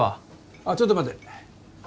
あっちょっと待て。